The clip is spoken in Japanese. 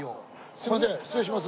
すいません失礼します。